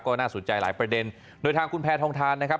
ก็น่าสนใจหลายประเด็นโดยทางคุณแพทองทานนะครับ